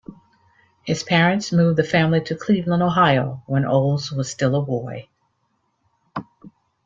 His parents moved the family to Cleveland, Ohio, when Olds was still a boy.